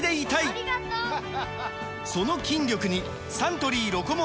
その筋力にサントリー「ロコモア」！